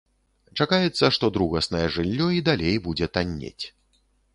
Чакаецца, што другаснае жыллё і далей будзе таннець.